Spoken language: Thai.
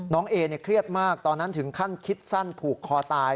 เอเครียดมากตอนนั้นถึงขั้นคิดสั้นผูกคอตาย